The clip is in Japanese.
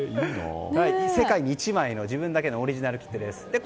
世界に１枚の、自分だけのオリジナル切手です。